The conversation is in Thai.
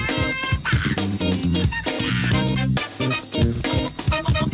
อยาก